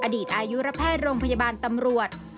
อดีตอายุระแพทย์โรงพยาบาลตำรวจ